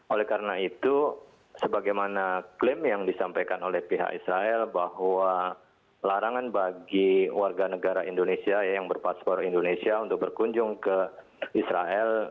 oleh karena itu sebagaimana klaim yang disampaikan oleh pihak israel bahwa larangan bagi warga negara indonesia yang berpaspor indonesia untuk berkunjung ke israel